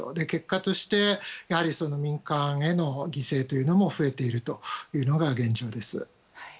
結果として民間への犠牲というのも増えているというのが現状です。